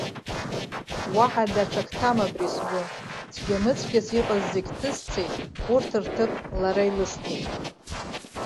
Уаҳа даҽак ҭам абри сгәы, цәгьа-мыцәгьас иҟаз зегьы ҭысцеит, урҭ рҭыԥ, лара илысҭеит!